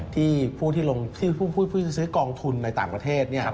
ที่ผู้ที่ซื้อกองทุนในต่างประเทศ